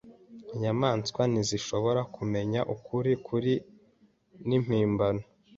Inyamaswa ntizishobora kumenya ukuri nukuri nimpimbano.